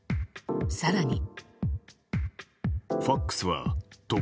更に。